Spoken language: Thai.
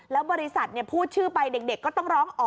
แล้วบริษัทพูดชื่อไปเด็กก็ต้องร้องอ๋อ